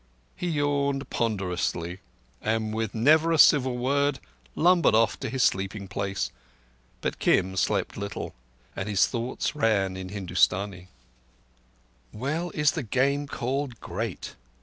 He yawned ponderously, and with never a civil word lumbered off to his sleeping place. But Kim slept little, and his thoughts ran in Hindustani: "Well is the Game called great!